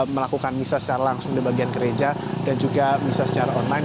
melakukan misa secara langsung di bagian gereja dan juga misa secara online